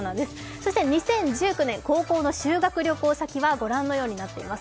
そして２０１９年、高校の修学旅行先はご覧のようになっています。